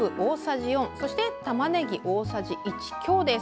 じ４そして、たまねぎ大さじ１強です。